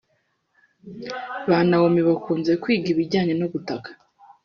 Ba Naomi bakunze kwiga ibijyanye no gutaka